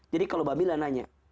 jadi kalau babila nanya